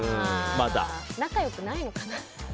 仲良くないのかな？